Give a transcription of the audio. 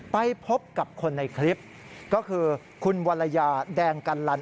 ไปพบกับคนในคลิปก็คือคุณวรรยาแดงกันลัน